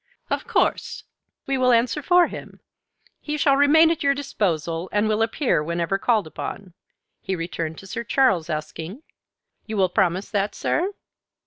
"Of course we will answer for him. He shall remain at your disposal, and will appear whenever called upon." He returned to Sir Charles, asking, "You will promise that, sir?"